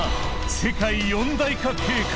「世界四大化計画」。